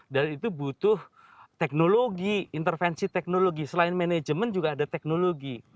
dan itu butuh teknologi intervensi teknologi selain manajemen juga ada teknologi